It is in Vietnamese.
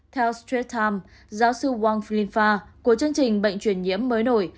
theo straight time giáo sư wang flinfa của chương trình bệnh truyền nhiễm mới nổi